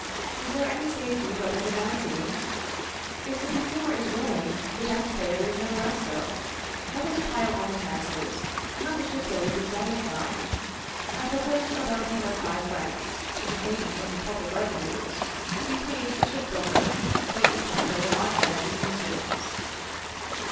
Is there any safety but in the bounty? If the consumer is willing, the tax payer is no less so. Let us pile on the taxes, and let the ship builder be satisfied. I propose a bounty of five francs, to be taken from the public revenues, to be paid to the ship builder for each quintal of iron that he uses.